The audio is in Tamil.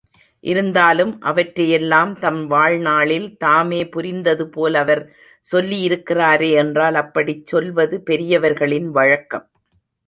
இருந்தாலும் அவற்றையெல்லாம் தம் வாழ்நாளில் தாமே புரிந்ததுபோல அவர் சொல்லியிருக்கிறாரே என்றால், அப்படிச் சொல்வது பெரியவர்களின் வழக்கம்.